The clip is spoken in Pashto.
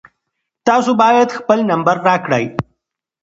تاسو باید خپل نمبر راکړئ.